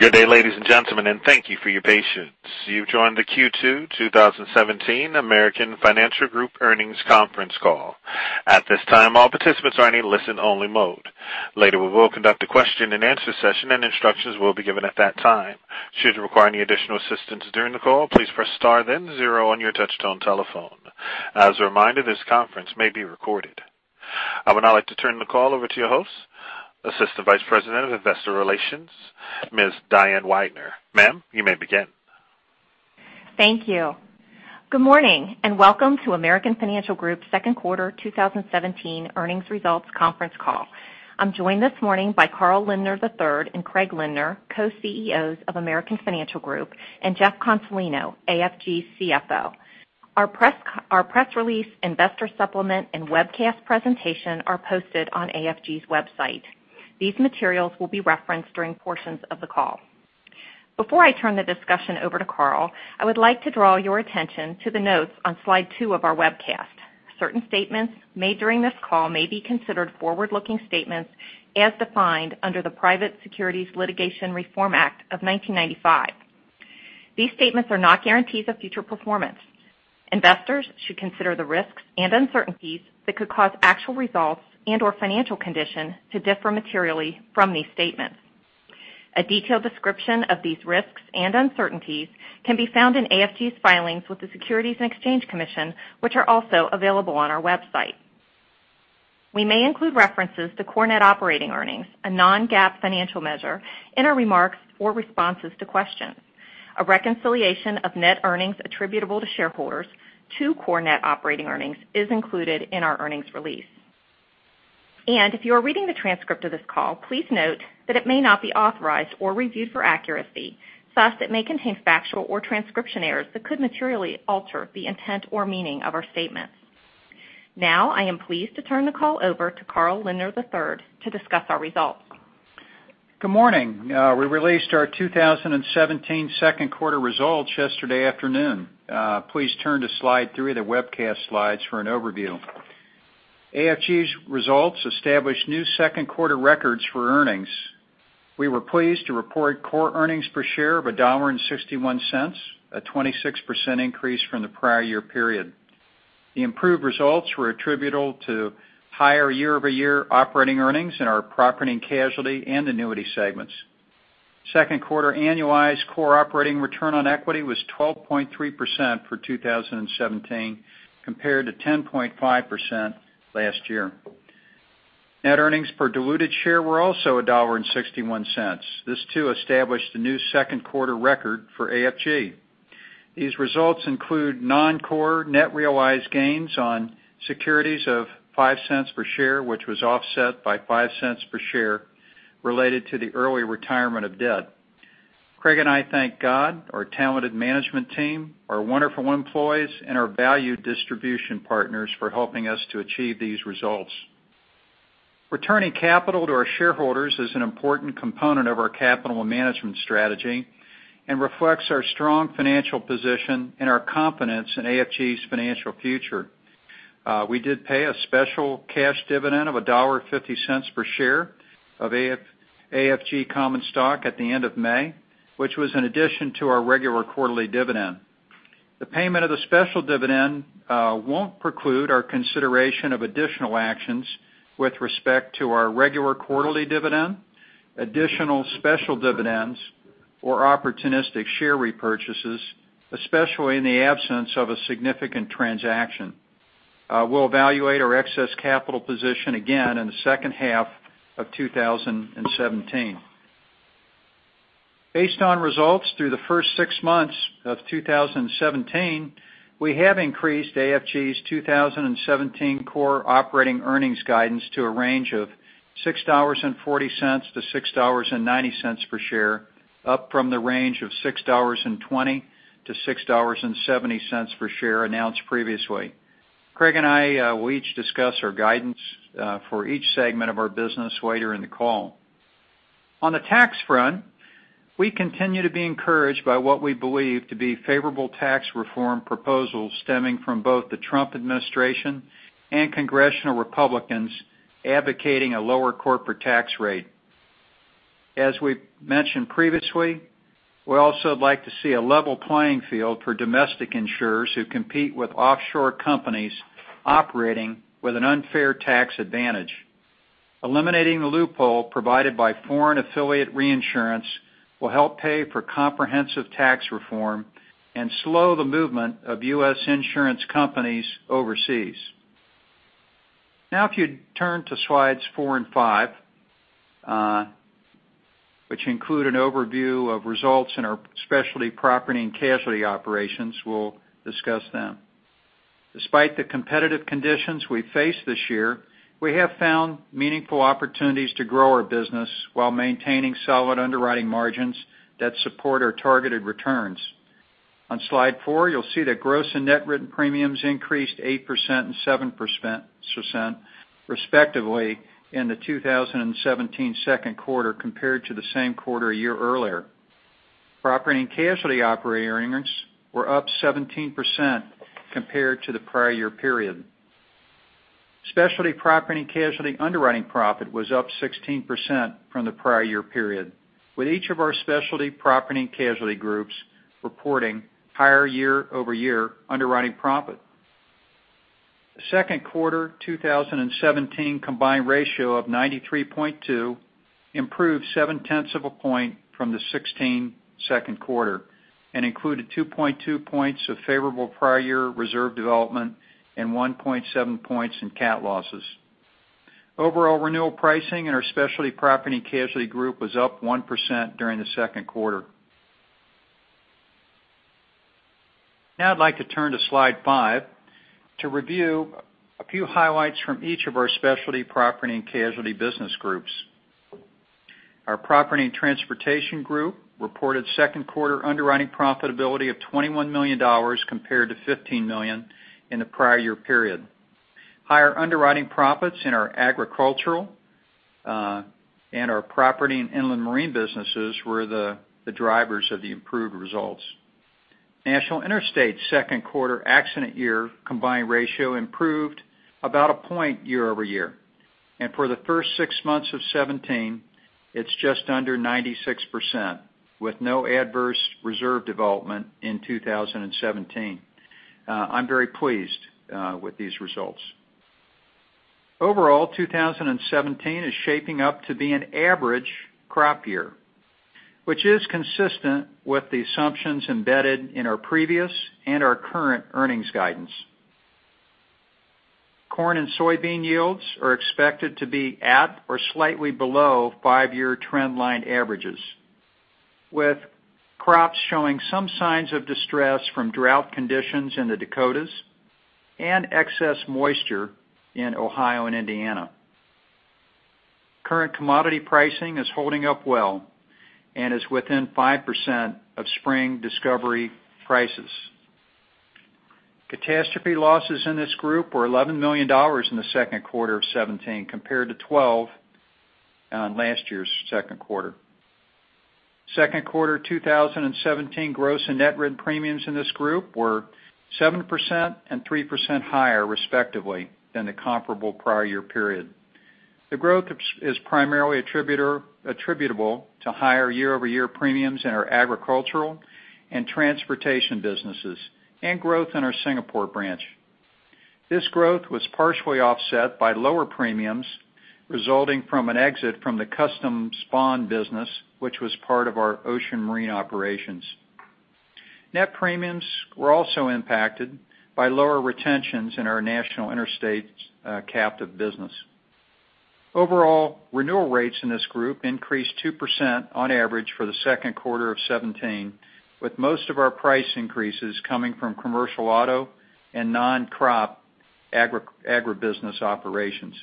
Good day, ladies and gentlemen, thank you for your patience. You've joined the Q2 2017 American Financial Group Earnings Conference Call. At this time, all participants are in a listen only mode. Later, we will conduct a question and answer session, instructions will be given at that time. Should you require any additional assistance during the call, please press star then zero on your touchtone telephone. As a reminder, this conference may be recorded. I would now like to turn the call over to your host, Assistant Vice President of Investor Relations, Ms. Diane Weidner. Ma'am, you may begin. Thank you. Good morning, welcome to American Financial Group's second quarter 2017 earnings results conference call. I'm joined this morning by Carl Lindner III and Craig Lindner, Co-CEOs of American Financial Group, and Jeff Consolino, AFG CFO. Our press release, investor supplement, webcast presentation are posted on AFG's website. These materials will be referenced during portions of the call. Before I turn the discussion over to Carl, I would like to draw your attention to the notes on slide two of our webcast. Certain statements made during this call may be considered forward-looking statements as defined under the Private Securities Litigation Reform Act of 1995. These statements are not guarantees of future performance. Investors should consider the risks and uncertainties that could cause actual results and/or financial condition to differ materially from these statements. A detailed description of these risks and uncertainties can be found in AFG's filings with the Securities and Exchange Commission, which are also available on our website. We may include references to core net operating earnings, a non-GAAP financial measure, in our remarks or responses to questions. A reconciliation of net earnings attributable to shareholders to core net operating earnings is included in our earnings release. If you are reading the transcript of this call, please note that it may not be authorized or reviewed for accuracy. Thus, it may contain factual or transcription errors that could materially alter the intent or meaning of our statements. Now, I am pleased to turn the call over to Carl Lindner III to discuss our results. Good morning. We released our 2017 second quarter results yesterday afternoon. Please turn to slide three of the webcast slides for an overview. AFG's results established new second quarter records for earnings. We were pleased to report core earnings per share of $1.61, a 26% increase from the prior year period. The improved results were attributable to higher year-over-year operating earnings in our property and casualty and annuity segments. Second quarter annualized core operating return on equity was 12.3% for 2017, compared to 10.5% last year. Net earnings per diluted share were also $1.61. This too established a new second quarter record for AFG. These results include non-core net realized gains on securities of $0.05 per share, which was offset by $0.05 per share related to the early retirement of debt. Craig and I thank God, our talented management team, our wonderful employees, and our valued distribution partners for helping us to achieve these results. Returning capital to our shareholders is an important component of our capital management strategy and reflects our strong financial position and our confidence in AFG's financial future. We did pay a special cash dividend of $1.50 per share of AFG common stock at the end of May, which was in addition to our regular quarterly dividend. The payment of the special dividend won't preclude our consideration of additional actions with respect to our regular quarterly dividend, additional special dividends, or opportunistic share repurchases, especially in the absence of a significant transaction. We'll evaluate our excess capital position again in the second half of 2017. Based on results through the first six months of 2017, we have increased AFG's 2017 core operating earnings guidance to a range of $6.40-$6.90 per share, up from the range of $6.20-$6.70 per share announced previously. Craig and I will each discuss our guidance for each segment of our business later in the call. On the tax front, we continue to be encouraged by what we believe to be favorable tax reform proposals stemming from both the Trump administration and congressional Republicans advocating a lower corporate tax rate. As we mentioned previously, we'd also like to see a level playing field for domestic insurers who compete with offshore companies operating with an unfair tax advantage. Eliminating the loophole provided by foreign affiliate reinsurance will help pay for comprehensive tax reform and slow the movement of U.S. insurance companies overseas. If you'd turn to slides four and five, which include an overview of results in our specialty property and casualty operations, we'll discuss them. Despite the competitive conditions we face this year, we have found meaningful opportunities to grow our business while maintaining solid underwriting margins that support our targeted returns. On slide four, you'll see that gross and net written premiums increased 8% and 7%, respectively, in the 2017 second quarter compared to the same quarter a year earlier. Property and casualty operating earnings were up 17% compared to the prior year period. Specialty property and casualty underwriting profit was up 16% from the prior year period, with each of our specialty property and casualty groups reporting higher year-over-year underwriting profit. The second quarter 2017 combined ratio of 93.2 improved seven-tenths of a point from the 2016 second quarter and included 2.2 points of favorable prior year reserve development and 1.7 points in cat losses. Overall renewal pricing in our specialty property and casualty group was up 1% during the second quarter. I'd like to turn to slide five to review a few highlights from each of our specialty property and casualty business groups. Our Property and Transportation Group reported second quarter underwriting profitability of $21 million compared to $15 million in the prior year period. Higher underwriting profits in our agricultural, and our property and inland marine businesses were the drivers of the improved results. National Interstate second quarter accident year combined ratio improved about a point year-over-year. For the first six months of 2017, it's just under 96%, with no adverse reserve development in 2017. I'm very pleased with these results. Overall, 2017 is shaping up to be an average crop year, which is consistent with the assumptions embedded in our previous and our current earnings guidance. Corn and soybean yields are expected to be at or slightly below five-year trend line averages, with crops showing some signs of distress from drought conditions in the Dakotas and excess moisture in Ohio and Indiana. Current commodity pricing is holding up well and is within 5% of spring discovery prices. Catastrophe losses in this group were $11 million in the second quarter of 2017, compared to $12 million in last year's second quarter. Second quarter 2017 gross and net written premiums in this group were 7% and 3% higher, respectively, than the comparable prior year period. The growth is primarily attributable to higher year-over-year premiums in our agricultural and transportation businesses, and growth in our Singapore branch. This growth was partially offset by lower premiums resulting from an exit from the custom bond business, which was part of our ocean marine operations. Net premiums were also impacted by lower retentions in our National Interstate's captive business. Overall, renewal rates in this group increased 2% on average for the second quarter of 2017, with most of our price increases coming from commercial auto and non-crop agribusiness operations.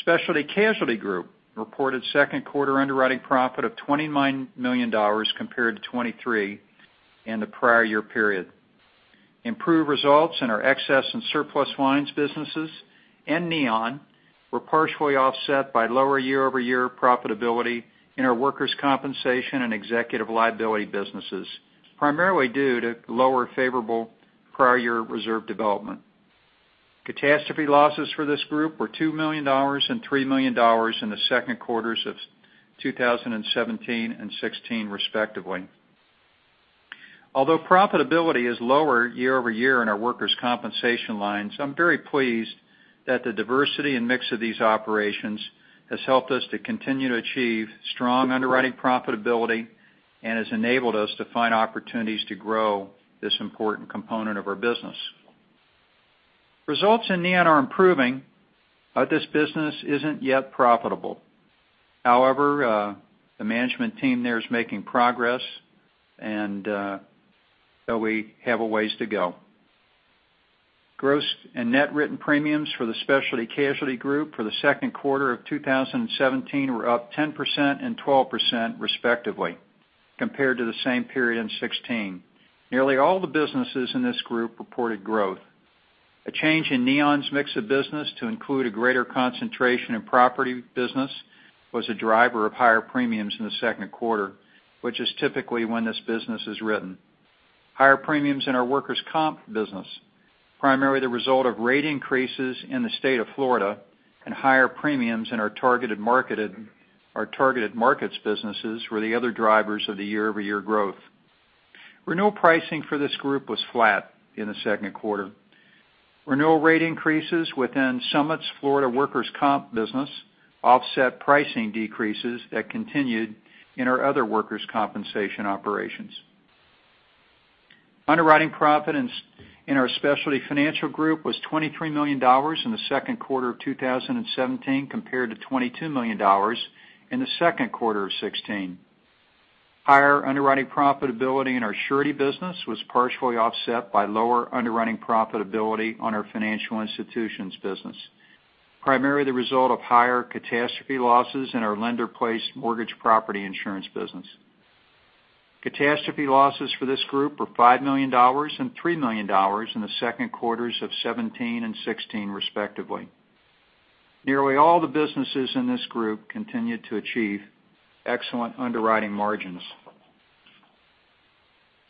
Specialty Casualty Group reported second quarter underwriting profit of $29 million compared to $23 million in the prior year period. Improved results in our excess and surplus lines businesses and Neon were partially offset by lower year-over-year profitability in our workers' compensation and executive liability businesses, primarily due to lower favorable prior year reserve development. Catastrophe losses for this group were $2 million and $3 million in the second quarters of 2017 and 2016, respectively. Although profitability is lower year-over-year in our workers' compensation lines, I'm very pleased that the diversity and mix of these operations has helped us to continue to achieve strong underwriting profitability and has enabled us to find opportunities to grow this important component of our business. Results in Neon are improving, but this business isn't yet profitable. However, the management team there is making progress and we have a ways to go. Gross and net written premiums for the Specialty Casualty Group for the second quarter of 2017 were up 10% and 12% respectively, compared to the same period in 2016. Nearly all the businesses in this group reported growth. A change in Neon's mix of business to include a greater concentration in property business was a driver of higher premiums in the second quarter, which is typically when this business is written. Higher premiums in our workers' comp business, primarily the result of rate increases in the state of Florida and higher premiums in our targeted markets businesses were the other drivers of the year-over-year growth. Renewal pricing for this group was flat in the second quarter. Renewal rate increases within Summit's Florida workers' comp business offset pricing decreases that continued in our other workers' compensation operations. Underwriting profit in our Specialty Financial Group was $23 million in the second quarter of 2017 compared to $22 million in the second quarter of 2016. Higher underwriting profitability in our surety business was partially offset by lower underwriting profitability on our financial institutions business, primarily the result of higher catastrophe losses in our lender-placed mortgage property insurance business. Catastrophe losses for this group were $5 million and $3 million in the second quarters of 2017 and 2016, respectively. Nearly all the businesses in this group continued to achieve excellent underwriting margins.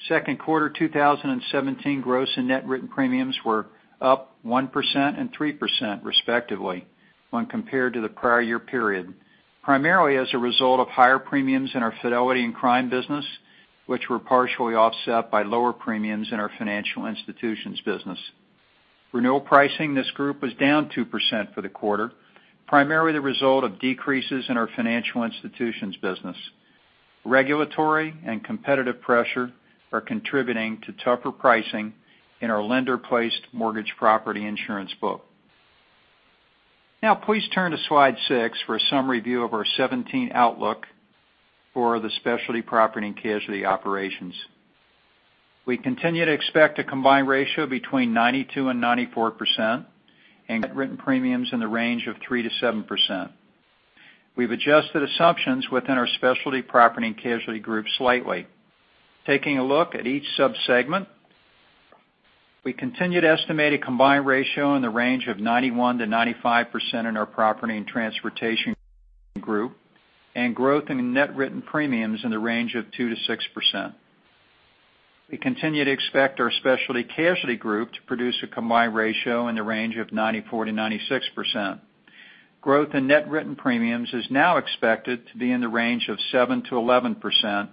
Second quarter 2017 gross and net written premiums were up 1% and 3% respectively when compared to the prior year period, primarily as a result of higher premiums in our fidelity and crime business, which were partially offset by lower premiums in our financial institutions business. Renewal pricing in this group was down 2% for the quarter, primarily the result of decreases in our financial institutions business. Regulatory and competitive pressure are contributing to tougher pricing in our lender-placed mortgage property insurance book. Now please turn to Slide 6 for a summary view of our 2017 outlook for the Specialty Property & Casualty operations. We continue to expect a combined ratio between 92% and 94%, and net written premiums in the range of 3%-7%. We've adjusted assumptions within our Specialty Property & Casualty group slightly. Taking a look at each sub-segment, we continue to estimate a combined ratio in the range of 91%-95% in our Property and Transportation Group, and growth in net written premiums in the range of 2%-6%. We continue to expect our Specialty Casualty Group to produce a combined ratio in the range of 94%-96%. Growth in net written premiums is now expected to be in the range of 7%-11%,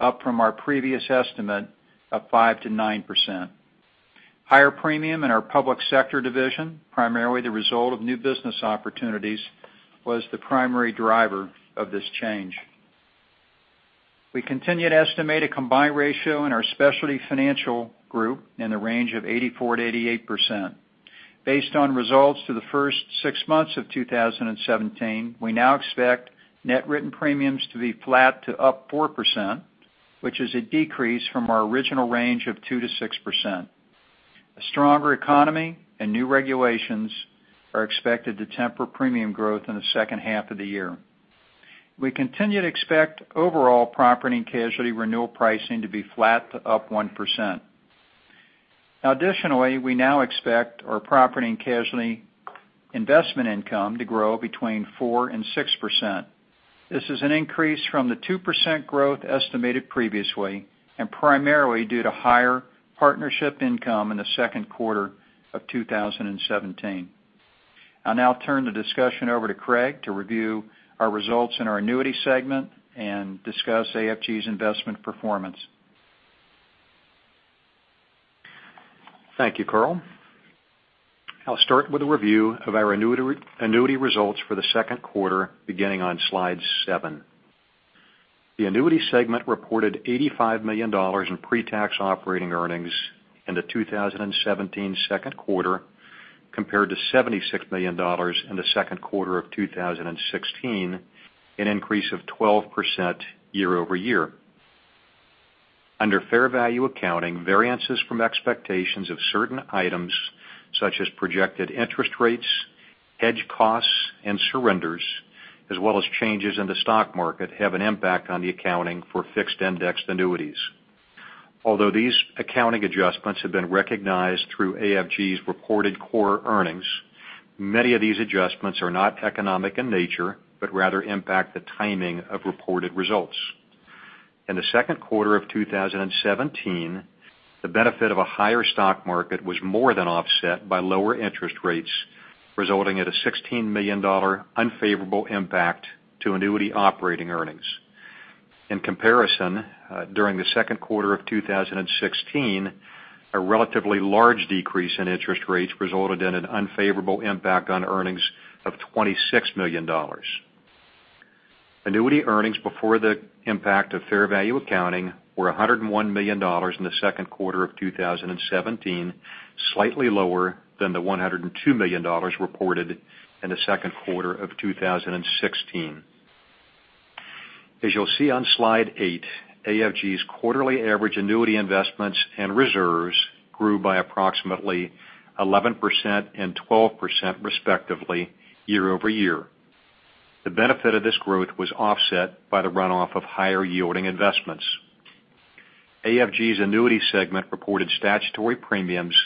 up from our previous estimate of 5%-9%. Higher premium in our public sector division, primarily the result of new business opportunities, was the primary driver of this change. We continue to estimate a combined ratio in our Specialty Financial Group in the range of 84%-88%. Based on results through the first six months of 2017, we now expect net written premiums to be flat to up 4%, which is a decrease from our original range of 2%-6%. A stronger economy and new regulations are expected to temper premium growth in the second half of the year. We continue to expect overall property and casualty renewal pricing to be flat to up 1%. Additionally, we now expect our property and casualty investment income to grow between 4% and 6%. This is an increase from the 2% growth estimated previously, and primarily due to higher partnership income in the second quarter of 2017. I'll now turn the discussion over to Craig to review our results in our Annuity segment and discuss AFG's investment performance. Thank you, Carl. I'll start with a review of our annuity results for the second quarter beginning on Slide 7. The Annuity segment reported $85 million in pre-tax operating earnings in the 2017 second quarter, compared to $76 million in the second quarter of 2016, an increase of 12% year-over-year. Under fair value accounting, variances from expectations of certain items such as projected interest rates, hedge costs, and surrenders, as well as changes in the stock market, have an impact on the accounting for fixed-indexed annuities. Although these accounting adjustments have been recognized through AFG's reported Core Earnings, many of these adjustments are not economic in nature, but rather impact the timing of reported results. In the second quarter of 2017, the benefit of a higher stock market was more than offset by lower interest rates, resulting in a $16 million unfavorable impact to annuity operating earnings. In comparison, during the second quarter of 2016, a relatively large decrease in interest rates resulted in an unfavorable impact on earnings of $26 million. Annuity earnings before the impact of fair value accounting were $101 million in the second quarter of 2017, slightly lower than the $102 million reported in the second quarter of 2016. As you'll see on Slide 8, AFG's quarterly average Annuity investments and reserves grew by approximately 11% and 12% respectively year-over-year. The benefit of this growth was offset by the runoff of higher-yielding investments. AFG's Annuity segment reported statutory premiums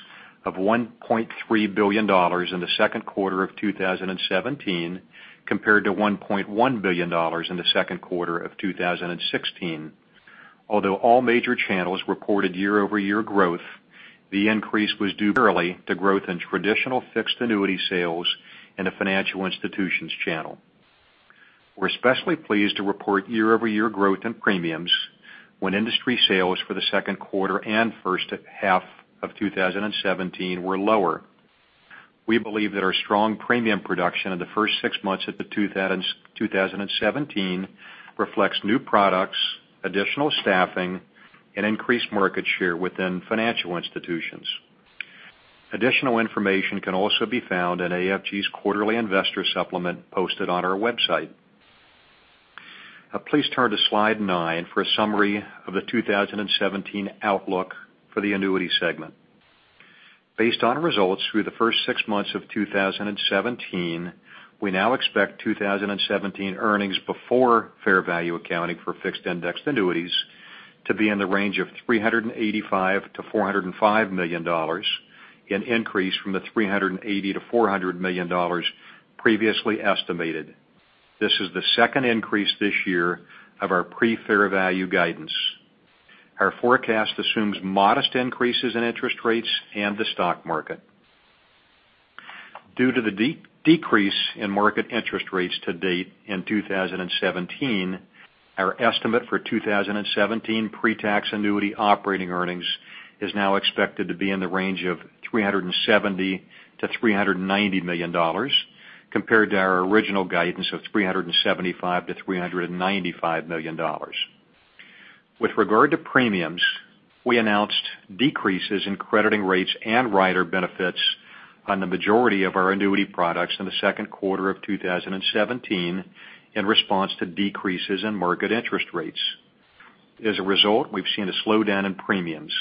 of $1.3 billion in the second quarter of 2017, compared to $1.1 billion in the second quarter of 2016. Although all major channels reported year-over-year growth, the increase was due primarily to growth in traditional fixed annuity sales in the financial institutions channel. We're especially pleased to report year-over-year growth in premiums when industry sales for the second quarter and first half of 2017 were lower. We believe that our strong premium production in the first six months of 2017 reflects new products, additional staffing, and increased market share within financial institutions. Additional information can also be found in AFG's quarterly investor supplement posted on our website. Please turn to Slide 9 for a summary of the 2017 outlook for the Annuity segment. Based on results through the first six months of 2017, we now expect 2017 earnings before fair value accounting for fixed-indexed annuities to be in the range of $385 million-$405 million, an increase from the $380 million-$400 million previously estimated. This is the second increase this year of our pre-fair value guidance. Our forecast assumes modest increases in interest rates and the stock market. Due to the decrease in market interest rates to date in 2017, our estimate for 2017 pre-tax Annuity operating earnings is now expected to be in the range of $370 million-$390 million, compared to our original guidance of $375 million-$395 million. With regard to premiums, we announced decreases in crediting rates and rider benefits on the majority of our annuity products in the second quarter of 2017 in response to decreases in market interest rates. As a result, we've seen a slowdown in premiums.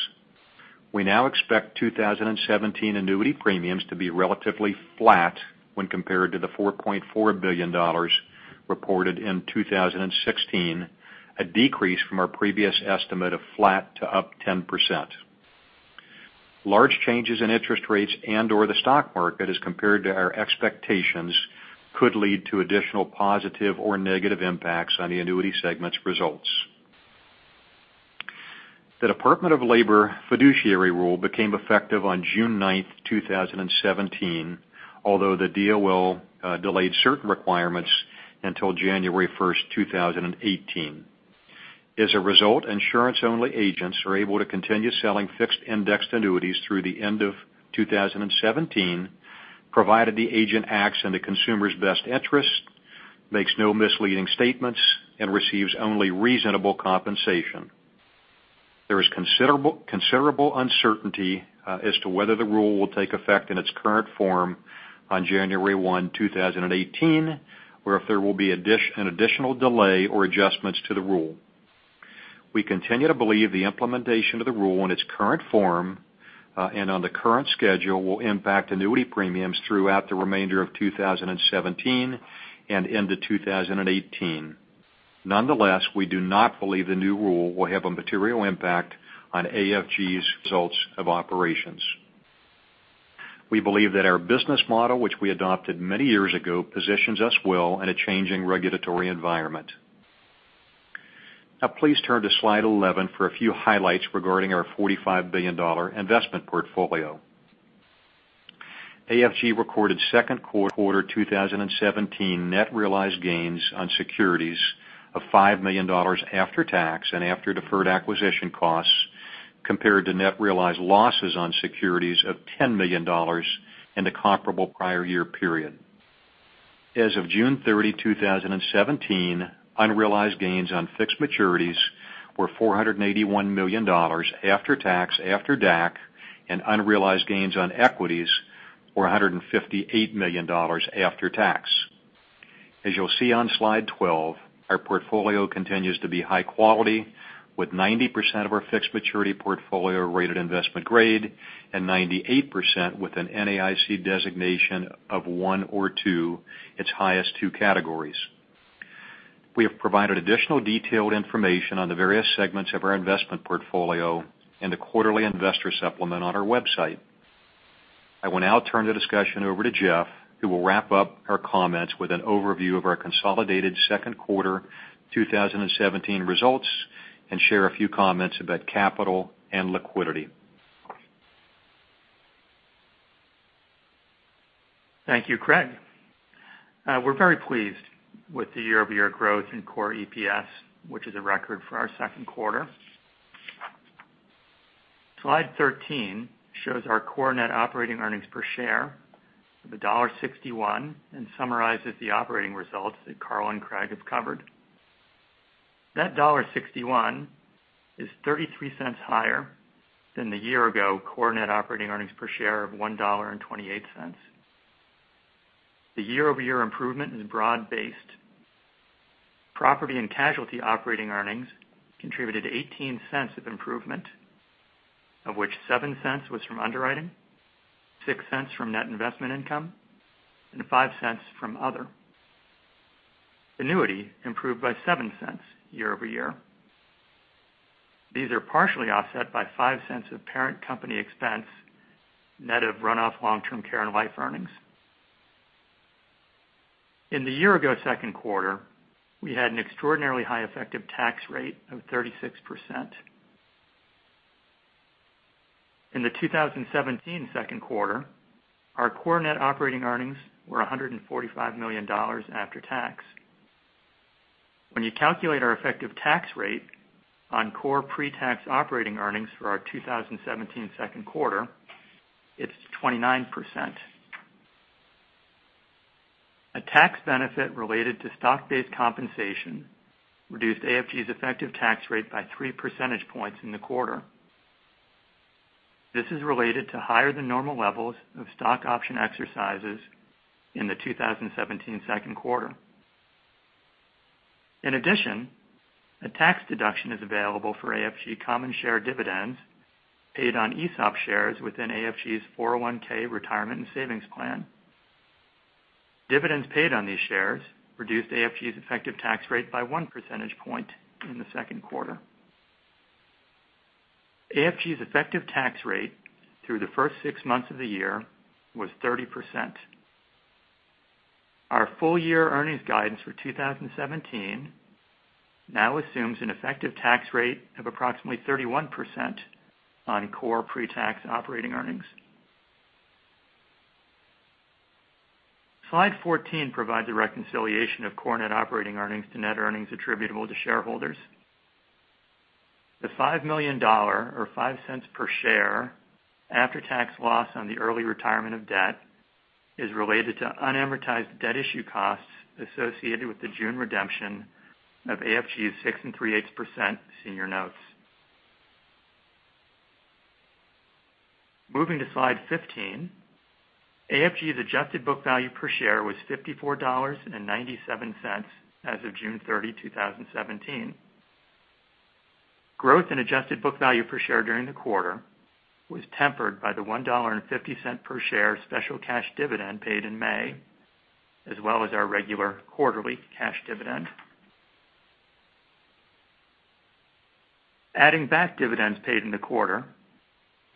We now expect 2017 annuity premiums to be relatively flat when compared to the $4.4 billion reported in 2016, a decrease from our previous estimate of flat to up 10%. Large changes in interest rates and/or the stock market as compared to our expectations could lead to additional positive or negative impacts on the Annuity segment's results. The Department of Labor Fiduciary Rule became effective on June 9, 2017, although the DOL delayed certain requirements until January 1, 2018. As a result, insurance-only agents are able to continue selling fixed-indexed annuities through the end of 2017, provided the agent acts in the consumer's best interest, makes no misleading statements, and receives only reasonable compensation. There is considerable uncertainty as to whether the rule will take effect in its current form on January 1, 2018, or if there will be an additional delay or adjustments to the rule. We continue to believe the implementation of the rule in its current form, and on the current schedule, will impact annuity premiums throughout the remainder of 2017 and into 2018. Nonetheless, we do not believe the new rule will have a material impact on AFG's results of operations. We believe that our business model, which we adopted many years ago, positions us well in a changing regulatory environment. Please turn to slide 11 for a few highlights regarding our $45 billion investment portfolio. AFG recorded second quarter 2017 net realized gains on securities of $5 million after tax and after deferred acquisition costs, compared to net realized losses on securities of $10 million in the comparable prior year period. As of June 30, 2017, unrealized gains on fixed maturities were $481 million after tax, after DAC, and unrealized gains on equities were $158 million after tax. As you'll see on slide 12, our portfolio continues to be high quality, with 90% of our fixed maturity portfolio rated investment-grade, and 98% with an NAIC designation of 1 or 2, its highest two categories. We have provided additional detailed information on the various segments of our investment portfolio in the quarterly investor supplement on our website. I will now turn the discussion over to Jeff, who will wrap up our comments with an overview of our consolidated second quarter 2017 results and share a few comments about capital and liquidity. Thank you, Craig. We're very pleased with the year-over-year growth in core EPS, which is a record for our second quarter. Slide 13 shows our core net operating earnings per share of $1.61 and summarizes the operating results that Carl and Craig have covered. That $1.61 is $0.33 higher than the year-ago core net operating earnings per share of $1.28. The year-over-year improvement is broad-based. Property and casualty operating earnings contributed $0.18 of improvement, of which $0.07 was from underwriting, $0.06 from net investment income, and $0.05 from other. Annuity improved by $0.07 year-over-year. These are partially offset by $0.05 of parent company expense, net of run-off long-term care and life earnings. In the year-ago second quarter, we had an extraordinarily high effective tax rate of 36%. In the 2017 second quarter, our core net operating earnings were $145 million after tax. When you calculate our effective tax rate on core pre-tax operating earnings for our 2017 second quarter, it's 29%. A tax benefit related to stock-based compensation reduced AFG's effective tax rate by three percentage points in the quarter. This is related to higher-than-normal levels of stock option exercises in the 2017 second quarter. In addition, a tax deduction is available for AFG common share dividends paid on ESOP shares within AFG's 401 retirement and savings plan. Dividends paid on these shares reduced AFG's effective tax rate by one percentage point in the second quarter. AFG's effective tax rate through the first six months of the year was 30%. Our full year earnings guidance for 2017 now assumes an effective tax rate of approximately 31% on core pre-tax operating earnings. Slide 14 provides a reconciliation of core net operating earnings to net earnings attributable to shareholders. The $5 million, or $0.05 per share, after-tax loss on the early retirement of debt is related to unamortized debt issue costs associated with the June redemption of AFG's 6.375% senior notes. Moving to Slide 15, AFG's adjusted book value per share was $54.97 as of June 30, 2017. Growth in adjusted book value per share during the quarter was tempered by the $1.50 per share special cash dividend paid in May, as well as our regular quarterly cash dividend. Adding back dividends paid in the quarter,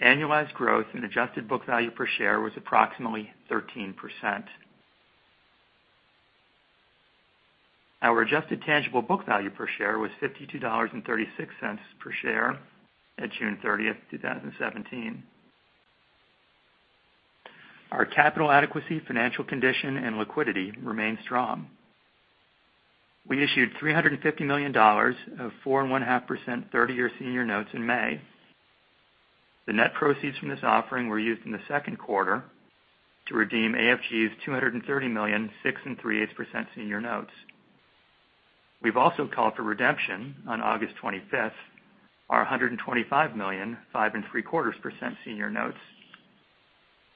annualized growth in adjusted book value per share was approximately 13%. Our adjusted tangible book value per share was $52.36 per share at June 30, 2017. Our capital adequacy, financial condition, and liquidity remain strong. We issued $350 million of 4.5%, 30-year senior notes in May. The net proceeds from this offering were used in the second quarter to redeem AFG's $230 million, 6.375% senior notes. We've also called for redemption on August 25th, our $125 million, 5.75% senior notes.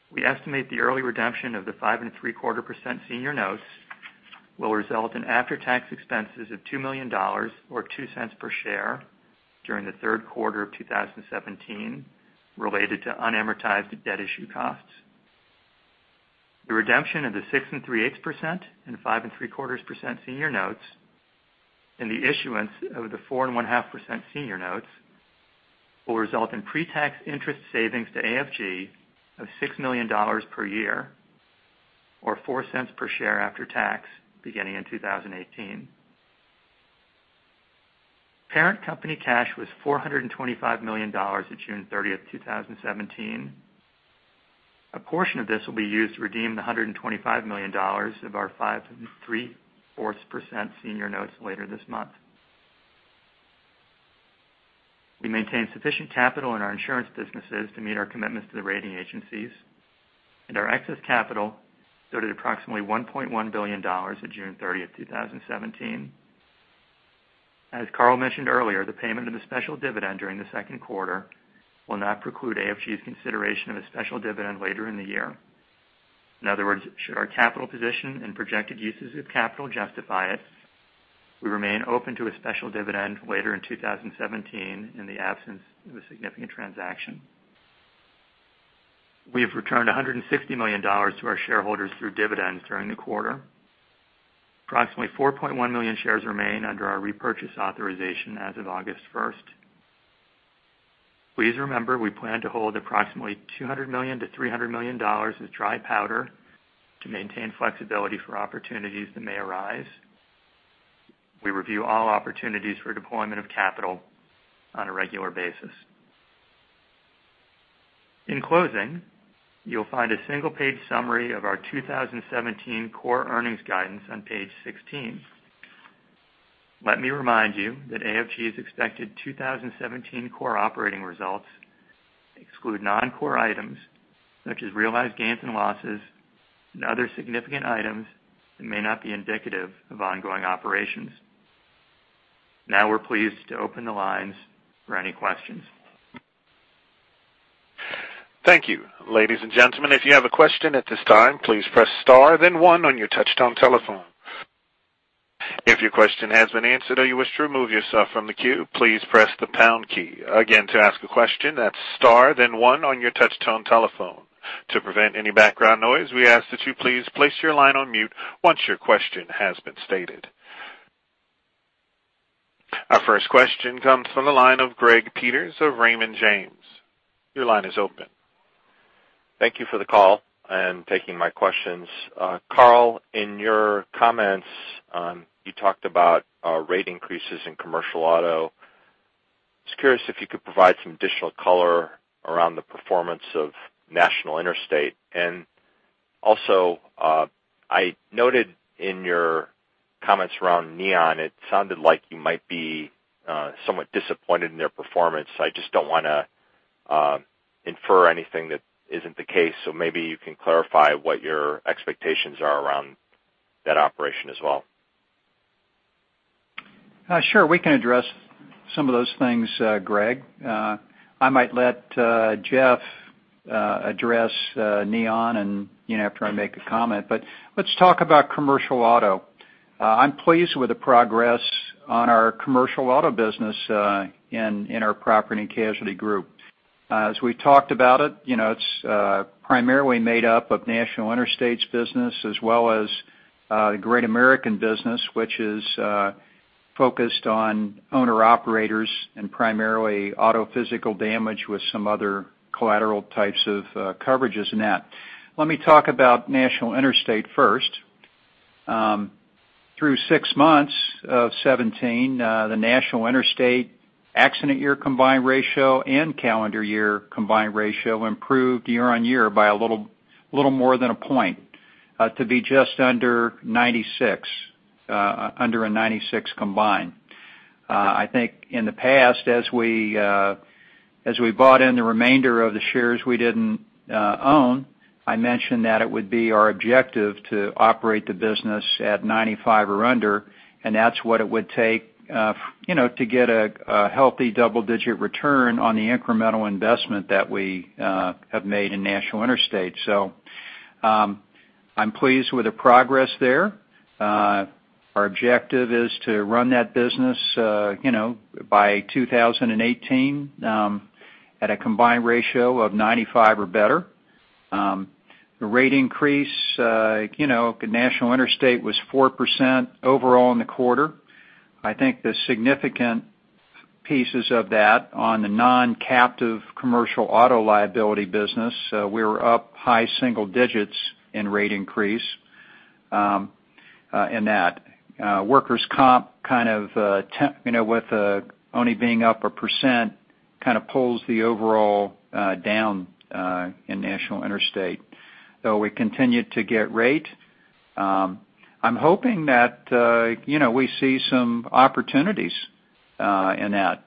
We estimate the early redemption of the 5.75% senior notes will result in after-tax expenses of $2 million, or $0.02 per share, during the third quarter of 2017, related to unamortized debt issue costs. The redemption of the 6.375% and 5.75% senior notes, and the issuance of the 4.5% senior notes will result in pre-tax interest savings to AFG of $6 million per year, or $0.04 per share after tax, beginning in 2018. Parent company cash was $425 million at June 30th, 2017. A portion of this will be used to redeem the $125 million of our 5.75% senior notes later this month. We maintain sufficient capital in our insurance businesses to meet our commitments to the rating agencies, and our excess capital stood at approximately $1.1 billion at June 30th, 2017. As Carl mentioned earlier, the payment of the special dividend during the second quarter will not preclude AFG's consideration of a special dividend later in the year. In other words, should our capital position and projected uses of capital justify it, we remain open to a special dividend later in 2017 in the absence of a significant transaction. We have returned $160 million to our shareholders through dividends during the quarter. Approximately 4.1 million shares remain under our repurchase authorization as of August 1st. Please remember, we plan to hold approximately $200 million-$300 million as dry powder to maintain flexibility for opportunities that may arise. We review all opportunities for deployment of capital on a regular basis. In closing, you'll find a single-page summary of our 2017 core earnings guidance on page 16. Let me remind you that AFG's expected 2017 core operating results exclude non-core items such as realized gains and losses and other significant items that may not be indicative of ongoing operations. We're pleased to open the lines for any questions. Thank you. Ladies and gentlemen, if you have a question at this time, please press star then one on your touchtone telephone. If your question has been answered or you wish to remove yourself from the queue, please press the pound key. Again, to ask a question, that's star then one on your touchtone telephone. To prevent any background noise, we ask that you please place your line on mute once your question has been stated. Our first question comes from the line of Gregory Peters of Raymond James. Your line is open. Thank you for the call and taking my questions. Carl, in your comments, you talked about rate increases in commercial auto. Just curious if you could provide some additional color around the performance of National Interstate, and also, I noted in your comments around Neon, it sounded like you might be somewhat disappointed in their performance. I just don't want to infer anything that isn't the case, so maybe you can clarify what your expectations are around that operation as well. Sure. We can address some of those things, Greg. I might let Jeff address Neon after I make a comment. Let's talk about commercial auto. I'm pleased with the progress on our commercial auto business in our Property and Casualty group. We've talked about it's primarily made up of National Interstate's business as well as Great American business, which is focused on owner-operators and primarily auto physical damage with some other collateral types of coverages in that. Let me talk about National Interstate first. Through 6 months of 2017, the National Interstate accident year combined ratio and calendar year combined ratio improved year-on-year by a little more than a point, to be just under a 96 combined. I think in the past, as we bought in the remainder of the shares we didn't own, I mentioned that it would be our objective to operate the business at 95 or under, and that's what it would take to get a healthy double-digit return on the incremental investment that we have made in National Interstate. I'm pleased with the progress there. Our objective is to run that business by 2018, at a combined ratio of 95 or better. The rate increase at National Interstate was 4% overall in the quarter. I think the significant pieces of that on the non-captive commercial auto liability business, we were up high single digits in rate increase in that. Workers' Comp, with only being up 1%, kind of pulls the overall down in National Interstate, though we continued to get rate. I'm hoping that we see some opportunities in that.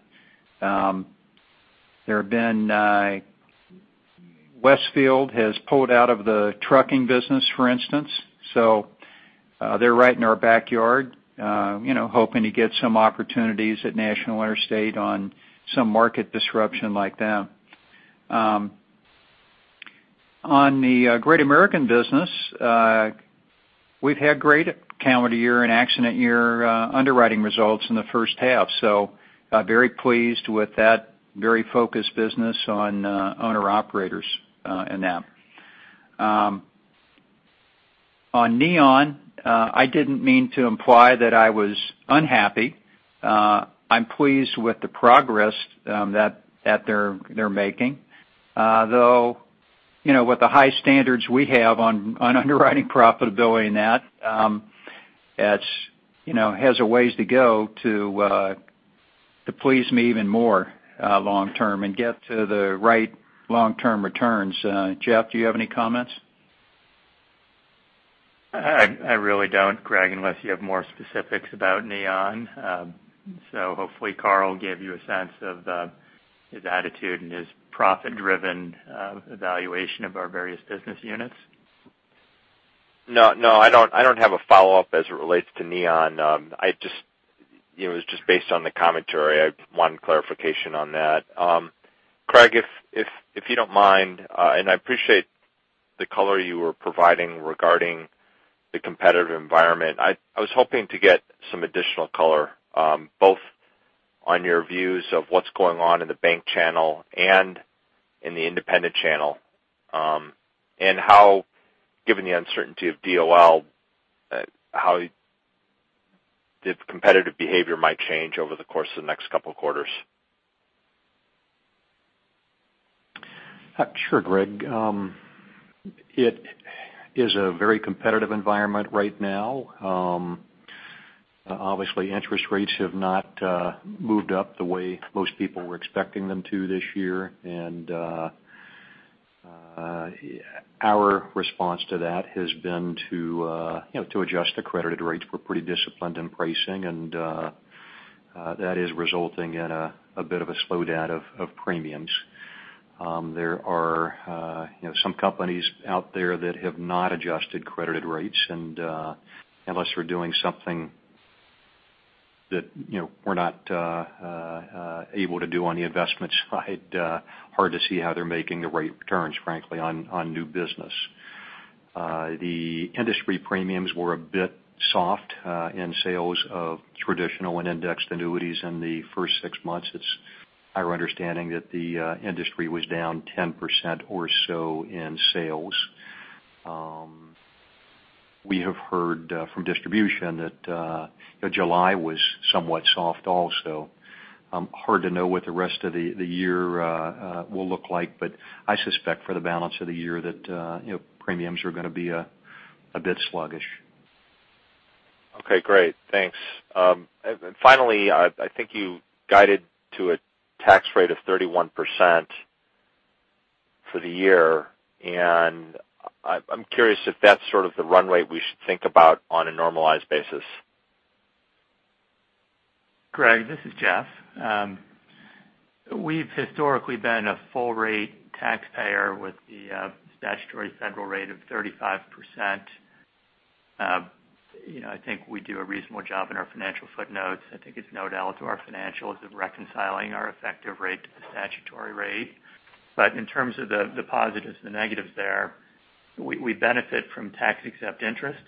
Westfield has pulled out of the trucking business, for instance. They're right in our backyard, hoping to get some opportunities at National Interstate on some market disruption like them. On the Great American business, we've had great calendar year and accident year underwriting results in the first half, so very pleased with that very focused business on owner-operators in that. On Neon, I didn't mean to imply that I was unhappy. I'm pleased with the progress that they're making. With the high standards we have on underwriting profitability in that, it has a ways to go to please me even more long term and get to the right long-term returns. Jeff, do you have any comments? I really don't, Greg, unless you have more specifics about Neon. Hopefully Carl gave you a sense of his attitude and his profit-driven evaluation of our various business units. No, I don't have a follow-up as it relates to Neon. It was just based on the commentary. I wanted clarification on that. Craig, if you don't mind, and I appreciate the color you were providing regarding the competitive environment. I was hoping to get some additional color, both on your views of what's going on in the bank channel and in the independent channel. How, given the uncertainty of DOL, how the competitive behavior might change over the course of the next couple of quarters. Sure, Greg. It is a very competitive environment right now. Obviously, interest rates have not moved up the way most people were expecting them to this year. Our response to that has been to adjust the credited rates. We're pretty disciplined in pricing, and that is resulting in a bit of a slowdown of premiums. There are some companies out there that have not adjusted credited rates, and unless we're doing something that we're not able to do on the investment side, hard to see how they're making the right returns, frankly, on new business. The industry premiums were a bit soft in sales of traditional and indexed annuities in the first six months. It's our understanding that the industry was down 10% or so in sales. We have heard from distribution that July was somewhat soft also. Hard to know what the rest of the year will look like, but I suspect for the balance of the year that premiums are going to be a bit sluggish. Okay, great. Thanks. Finally, I think you guided to a tax rate of 31% for the year, and I'm curious if that's sort of the run rate we should think about on a normalized basis. Greg, this is Jeff. We've historically been a full rate taxpayer with the statutory federal rate of 35%. I think we do a reasonable job in our financial footnotes. I think it's no doubt to our financials of reconciling our effective rate to the statutory rate. In terms of the positives and the negatives there We benefit from tax-exempt interest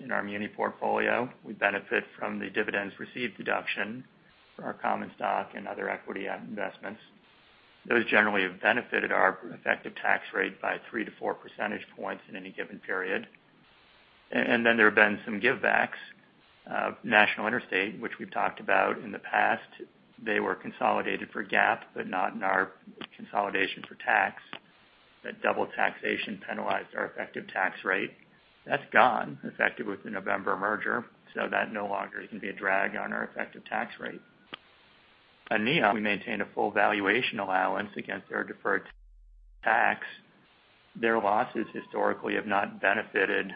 in our muni portfolio. We benefit from the dividends received deduction for our common stock and other equity investments. Those generally have benefited our effective tax rate by three to four percentage points in any given period. Then there have been some give backs of National Interstate, which we've talked about in the past. They were consolidated for GAAP, but not in our consolidation for tax. That double taxation penalized our effective tax rate. That's gone, effective with the November merger. That no longer is going to be a drag on our effective tax rate. At Neon, we maintain a full valuation allowance against their deferred tax. Their losses historically have not benefited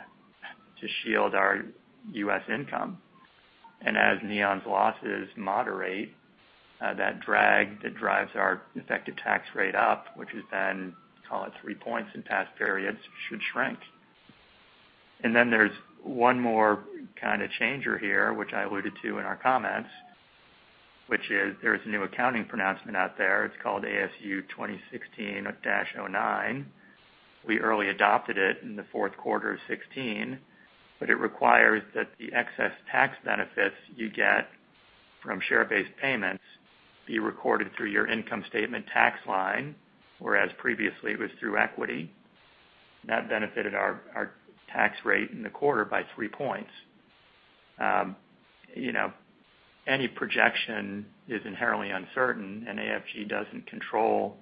to shield our U.S. income. As Neon's losses moderate, that drag that drives our effective tax rate up, which is then, call it three points in past periods, should shrink. There's one more kind of changer here, which I alluded to in our comments, which is there's a new accounting pronouncement out there. It's called ASU 2016-09. We early adopted it in the fourth quarter of 2016, but it requires that the excess tax benefits you get from share-based payments be recorded through your income statement tax line, whereas previously it was through equity. That benefited our tax rate in the quarter by three points. Any projection is inherently uncertain. AFG doesn't control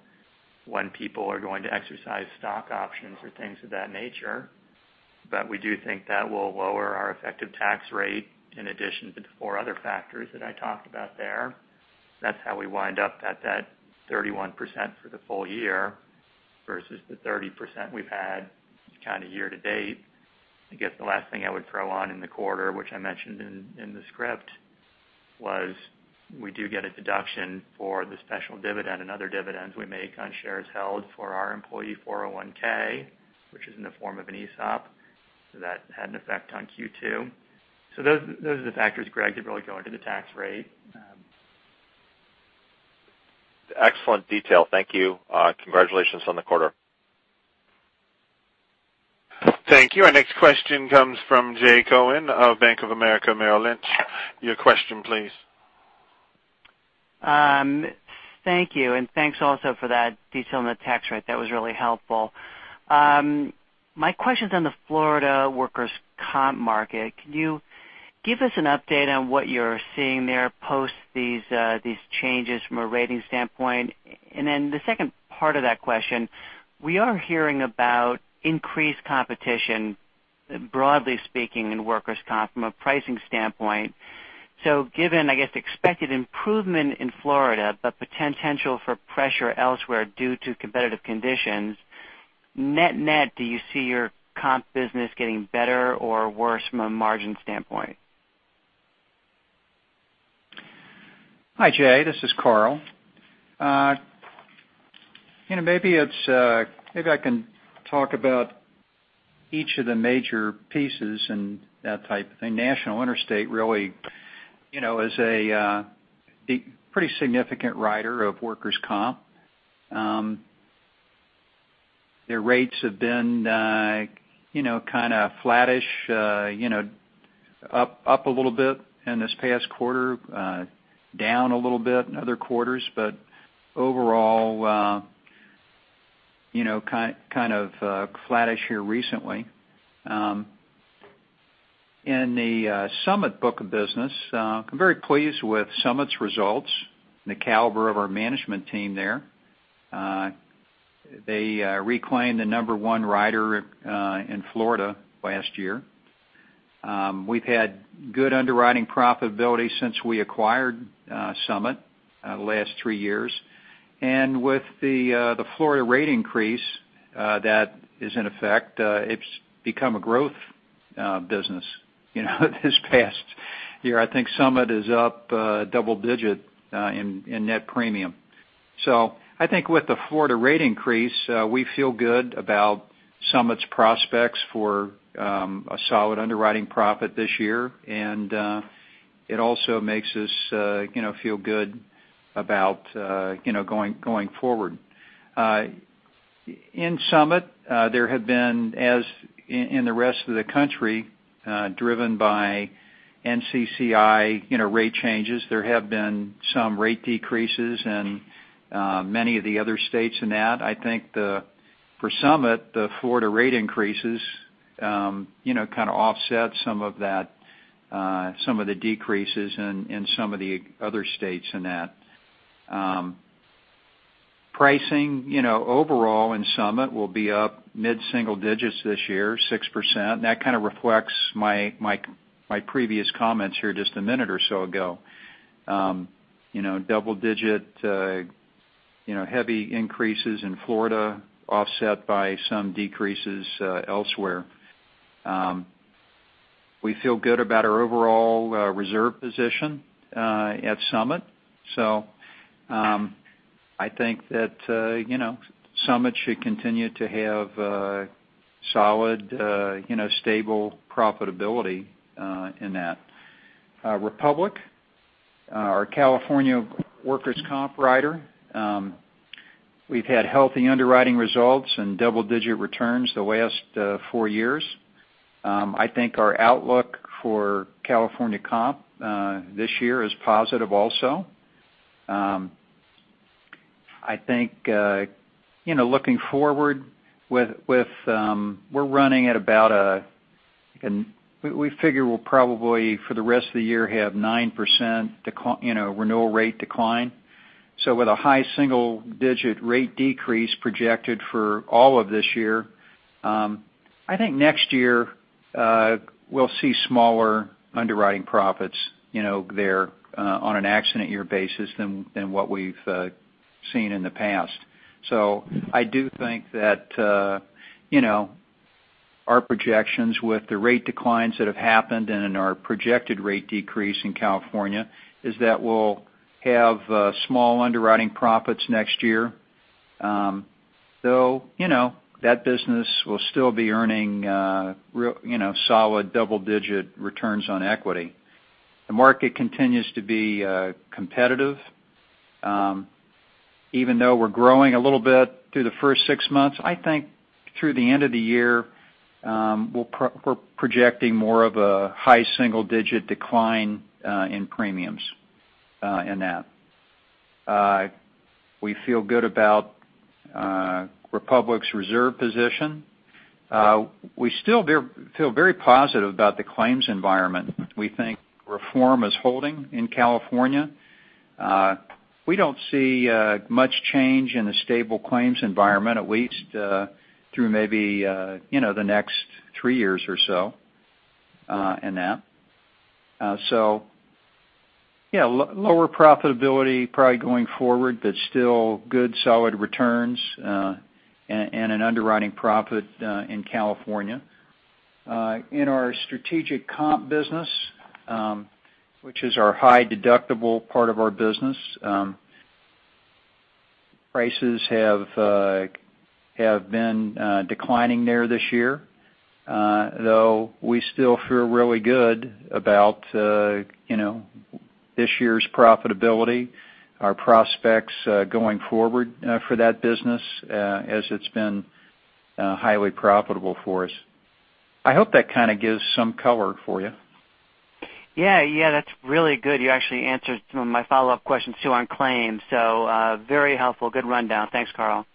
when people are going to exercise stock options or things of that nature. We do think that will lower our effective tax rate in addition to the four other factors that I talked about there. That's how we wind up at that 31% for the full year versus the 30% we've had kind of year-to-date. I guess the last thing I would throw on in the quarter, which I mentioned in the script, was we do get a deduction for the special dividend and other dividends we make on shares held for our employee 401(k), which is in the form of an ESOP. That had an effect on Q2. Those are the factors, Greg, that really go into the tax rate. Excellent detail. Thank you. Congratulations on the quarter. Thank you. Our next question comes from Jay Cohen of Bank of America Merrill Lynch. Your question please. Thank you, and thanks also for that detail on the tax rate. That was really helpful. My question's on the Florida workers' comp market. Can you give us an update on what you're seeing there post these changes from a rating standpoint? The second part of that question, we are hearing about increased competition, broadly speaking, in workers' comp from a pricing standpoint. Given, I guess, expected improvement in Florida, but potential for pressure elsewhere due to competitive conditions, net-net, do you see your comp business getting better or worse from a margin standpoint? Hi, Jay. This is Carl. Maybe I can talk about each of the major pieces and that type of thing. National Interstate really is a pretty significant writer of workers' comp. Their rates have been kind of flattish, up a little bit in this past quarter, down a little bit in other quarters. Overall, kind of flattish here recently. In the Summit book of business, I'm very pleased with Summit's results and the caliber of our management team there. They reclaimed the number 1 writer in Florida last year. We've had good underwriting profitability since we acquired Summit the last three years. With the Florida rate increase that is in effect, it's become a growth business this past year. I think Summit is up double-digit in net premium. I think with the Florida rate increase, we feel good about Summit's prospects for a solid underwriting profit this year, and it also makes us feel good about going forward. In Summit, there have been, as in the rest of the country, driven by NCCI rate changes. There have been some rate decreases in many of the other states in that. I think for Summit, the Florida rate increases kind of offset some of the decreases in some of the other states in that. Pricing overall in Summit will be up mid-single-digits this year, 6%. That kind of reflects my previous comments here just a minute or so ago. Double-digit heavy increases in Florida offset by some decreases elsewhere. We feel good about our overall reserve position at Summit. I think that Summit should continue to have solid, stable profitability in that. Republic Our California workers' comp writer. We've had healthy underwriting results and double-digit returns the last four years. I think our outlook for California comp this year is positive also. I think looking forward, we figure we'll probably, for the rest of the year, have 9% renewal rate decline. With a high single-digit rate decrease projected for all of this year, I think next year we'll see smaller underwriting profits there on an accident year basis than what we've seen in the past. I do think that our projections with the rate declines that have happened and in our projected rate decrease in California is that we'll have small underwriting profits next year. Though that business will still be earning solid double-digit returns on equity. The market continues to be competitive. Even though we're growing a little bit through the first six months, I think through the end of the year, we're projecting more of a high single-digit decline in premiums in that. We feel good about Republic's reserve position. We still feel very positive about the claims environment. We think reform is holding in California. We don't see much change in the stable claims environment, at least through maybe the next three years or so in that. Yeah, lower profitability probably going forward, but still good solid returns and an underwriting profit in California. In our Strategic Comp business, which is our high deductible part of our business, prices have been declining there this year. Though we still feel really good about this year's profitability, our prospects going forward for that business, as it's been highly profitable for us. I hope that kind of gives some color for you. That's really good. You actually answered some of my follow-up questions, too, on claims. Very helpful. Good rundown. Thanks, Carl.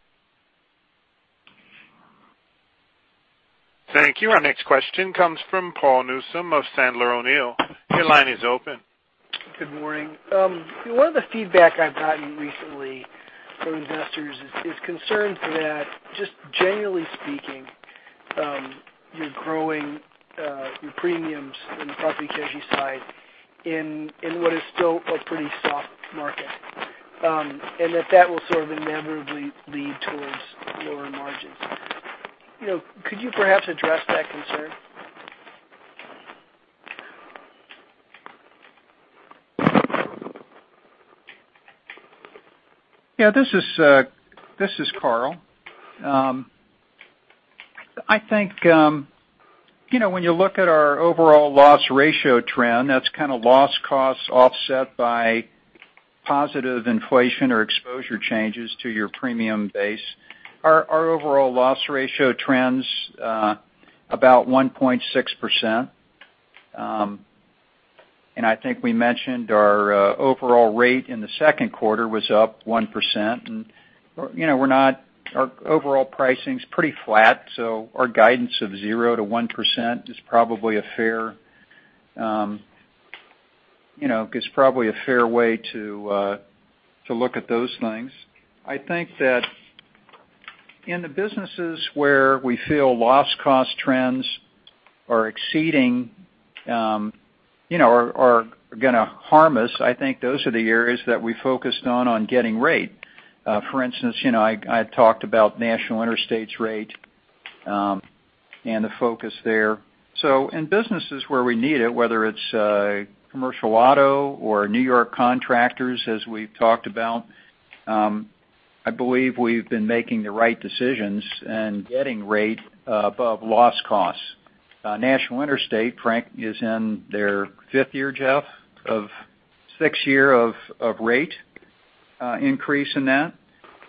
Thank you. Our next question comes from Paul Newsome of Sandler O'Neill. Your line is open. Good morning. One of the feedback I've gotten recently from investors is concern that, just generally speaking, you're growing your premiums in the property casualty side in what is still a pretty soft market, and that that will sort of inevitably lead towards lower margins. Could you perhaps address that concern? This is Carl. I think when you look at our overall loss ratio trend, that's kind of loss costs offset by positive inflation or exposure changes to your premium base. Our overall loss ratio trend's about 1.6%. I think we mentioned our overall rate in the second quarter was up 1%, and our overall pricing's pretty flat. Our guidance of 0-1% is probably a fair way to look at those things. I think that in the businesses where we feel loss cost trends are going to harm us, I think those are the areas that we focused on on getting rate. For instance, I had talked about National Interstate's rate and the focus there. In businesses where we need it, whether it's commercial auto or New York contractors, as we've talked about, I believe we've been making the right decisions and getting rate above loss costs. National Interstate, Frank, is in their fifth year, Jeff? Sixth year of rate increase in that.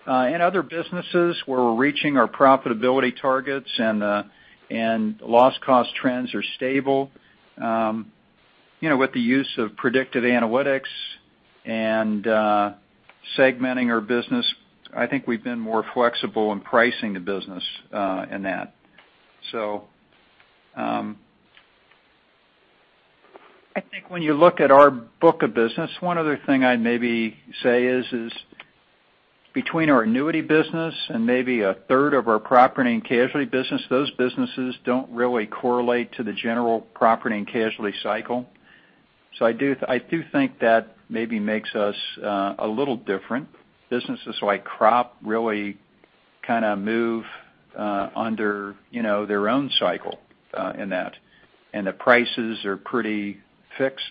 In other businesses, where we're reaching our profitability targets and loss cost trends are stable. With the use of predictive analytics and segmenting our business, I think we've been more flexible in pricing the business in that. I think when you look at our book of business, one other thing I'd maybe say is between our annuity business and maybe a third of our property and casualty business, those businesses don't really correlate to the general property and casualty cycle. I do think that maybe makes us a little different. Businesses like crop really kind of move under their own cycle in that. The prices are pretty fixed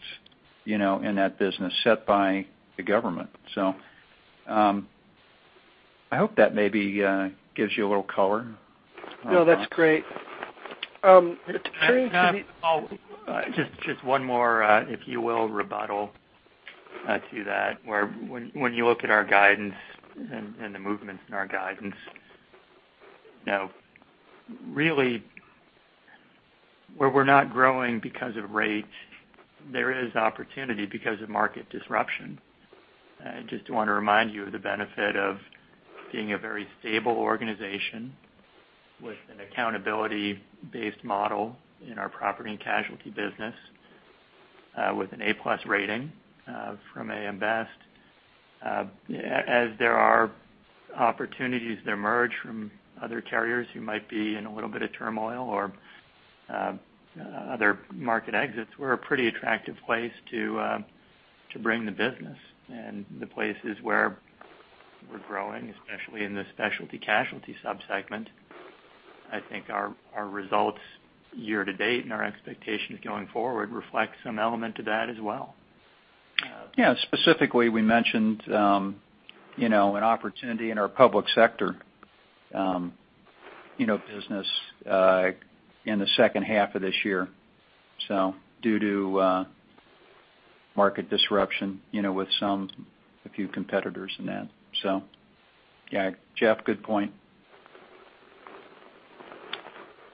in that business, set by the government. I hope that maybe gives you a little color. That's great. Just one more, if you will, rebuttal to that, where when you look at our guidance and the movements in our guidance, really, where we're not growing because of rates, there is opportunity because of market disruption. Just want to remind you of the benefit of being a very stable organization with an accountability-based model in our property and casualty business, with an A-plus rating from A.M. Best. As there are opportunities that emerge from other carriers who might be in a little bit of turmoil or other market exits, we're a pretty attractive place to bring the business. The places where we're growing, especially in the Specialty Casualty sub-segment, I think our results year to date and our expectations going forward reflect some element to that as well. Yeah. Specifically, we mentioned an opportunity in our public sector business in the second half of this year, due to market disruption with a few competitors and that. Yeah. Jeff, good point.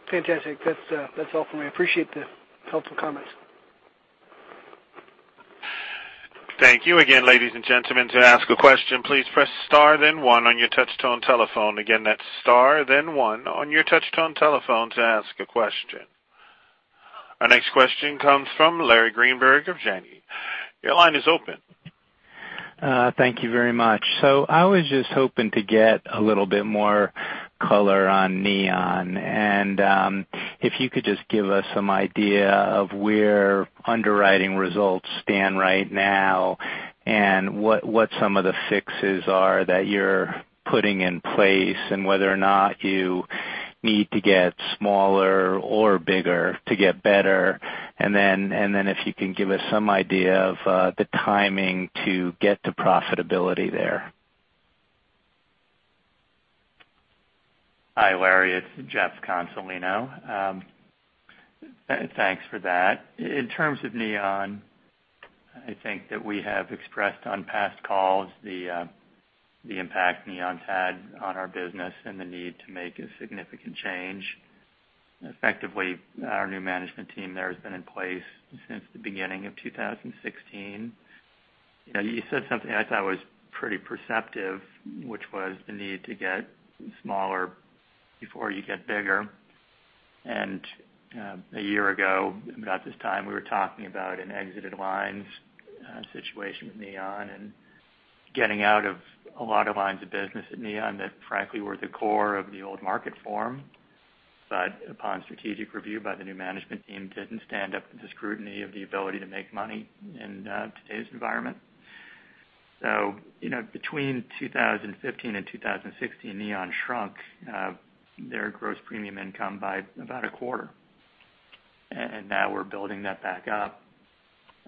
Fantastic. That's all for me. I appreciate the helpful comments. Thank you again, ladies and gentlemen. To ask a question, please press star then one on your touch-tone telephone. Again, that's star then one on your touch-tone telephone to ask a question. Our next question comes from Larry Greenberg of Janney. Your line is open. Thank you very much. I was just hoping to get a little bit more color on Neon, and if you could just give us some idea of where underwriting results stand right now, and what some of the fixes are that you're putting in place, and whether or not you need to get smaller or bigger to get better, and then if you can give us some idea of the timing to get to profitability there. Hi, Larry. It's Jeff Consolino. Thanks for that. In terms of Neon, I think that we have expressed on past calls the impact Neon's had on our business and the need to make a significant change. Effectively, our new management team there has been in place since the beginning of 2016. You said something I thought was pretty perceptive, which was the need to get smaller before you get bigger. A year ago, about this time, we were talking about an exited lines situation with Neon and getting out of a lot of lines of business at Neon that, frankly, were the core of the old Marketform, but upon strategic review by the new management team, didn't stand up to the scrutiny of the ability to make money in today's environment. Between 2015 and 2016, Neon shrunk their gross premium income by about a quarter. Now we're building that back up.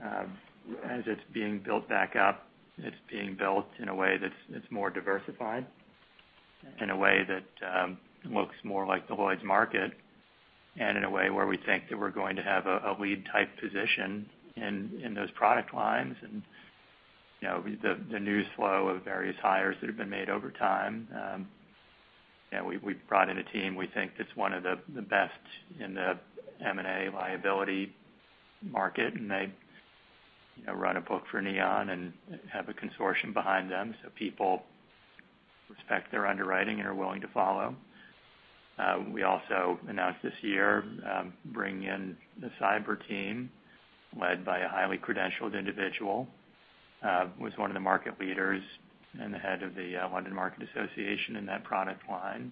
As it's being built back up, it's being built in a way that's more diversified, in a way that looks more like the Lloyd's market, and in a way where we think that we're going to have a lead-type position in those product lines. The news flow of various hires that have been made over time, we've brought in a team we think that's one of the best in the M&A liability market, and they run a book for Neon and have a consortium behind them, so people respect their underwriting and are willing to follow. We also announced this year bringing in the cyber team led by a highly credentialed individual, was one of the market leaders and the head of the Lloyd's Market Association in that product line,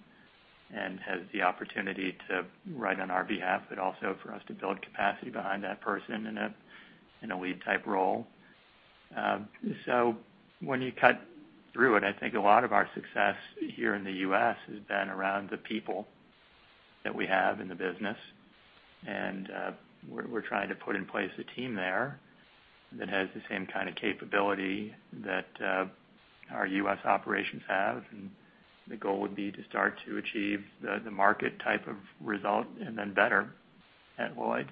and has the opportunity to write on our behalf, but also for us to build capacity behind that person in a lead-type role. When you cut through it, I think a lot of our success here in the U.S. has been around the people that we have in the business. We're trying to put in place a team there that has the same kind of capability that our U.S. operations have. The goal would be to start to achieve the market type of result and then better at Lloyd's,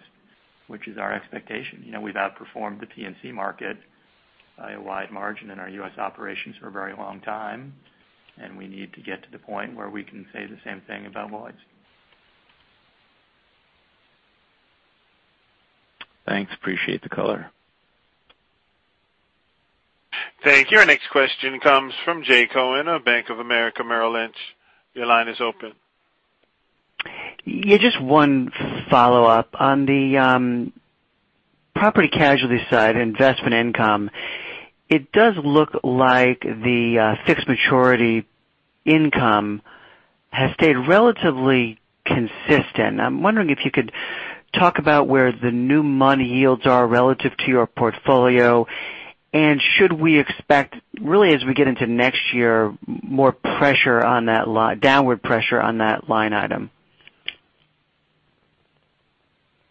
which is our expectation. We've outperformed the P&C market by a wide margin in our U.S. operations for a very long time. We need to get to the point where we can say the same thing about Lloyd's. Thanks. Appreciate the color. Thank you. Our next question comes from Jay Cohen of Bank of America Merrill Lynch. Your line is open. Just one follow-up. On the property casualty side, investment income, it does look like the fixed maturity income has stayed relatively consistent. I'm wondering if you could talk about where the new money yields are relative to your portfolio, and should we expect, really as we get into next year, more downward pressure on that line item?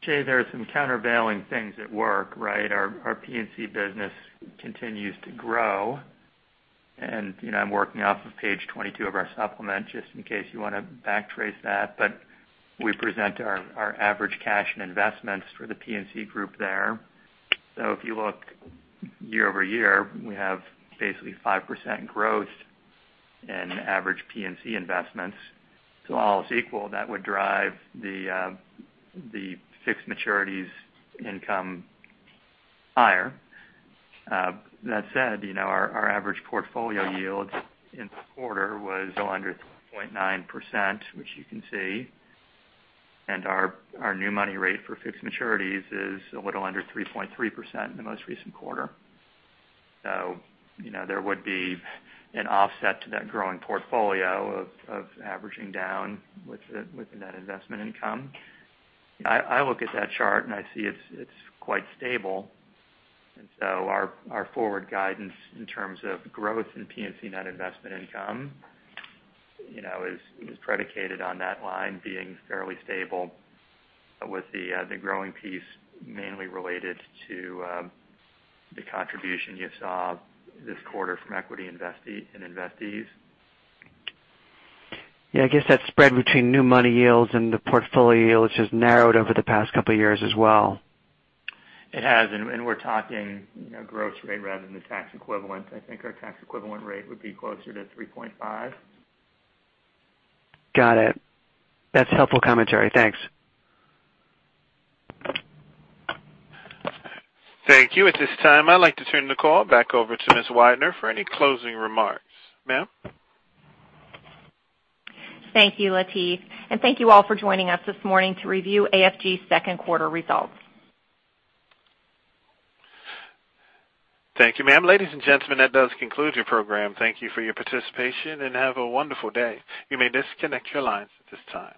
Jay, there are some countervailing things at work, right? Our P&C business continues to grow. I'm working off of page 22 of our supplement, just in case you want to backtrace that. We present our average cash and investments for the P&C group there. If you look year-over-year, we have basically 5% growth in average P&C investments. All is equal, that would drive the fixed maturities income higher. That said, our average portfolio yield in the quarter was a little under 3.9%, which you can see, and our new money rate for fixed maturities is a little under 3.3% in the most recent quarter. There would be an offset to that growing portfolio of averaging down with the net investment income. I look at that chart, and I see it's quite stable. Our forward guidance in terms of growth in P&C net investment income is predicated on that line being fairly stable with the growing piece mainly related to the contribution you saw this quarter from equity investees. Yeah, I guess that spread between new money yields and the portfolio yields has narrowed over the past couple of years as well. It has, and we're talking gross rate rather than the tax equivalent. I think our tax equivalent rate would be closer to 3.5%. Got it. That's helpful commentary. Thanks. Thank you. At this time, I'd like to turn the call back over to Ms. Weidner for any closing remarks. Ma'am? Thank you, Latif. Thank you all for joining us this morning to review AFG's second quarter results. Thank you, ma'am. Ladies and gentlemen, that does conclude your program. Thank you for your participation, and have a wonderful day. You may disconnect your lines at this time.